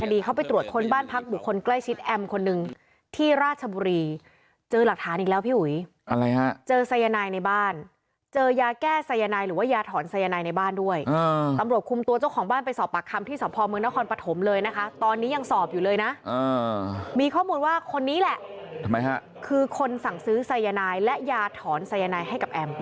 เดี๋ยวขอดูนิดหนึ่งนะ